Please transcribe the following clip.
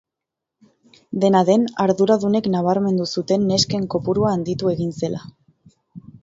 Dena den, arduradunek nabarmendu zuten nesken kopurua handitu egin zela.